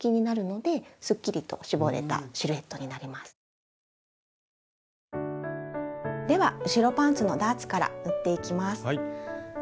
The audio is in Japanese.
では後ろパンツのダーツから縫っていきます。